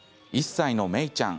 １歳のめいちゃん。